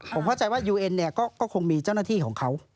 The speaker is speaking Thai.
ผมเข้าใจว่ายูเอ็นเนี่ยก็คงมีเจ้าหน้าที่ของเขา